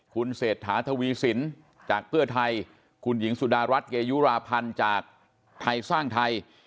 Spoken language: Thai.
คุณเศรษฐาทวีสินจากเพื่อไทยคุณหญิงสุดารัฐเกยุราพันธ์จากไทยสร้างไทย